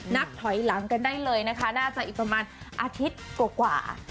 นับถอยหลังกันได้เลยนะคะน่าจะอีกประมาณอาทิตย์กว่า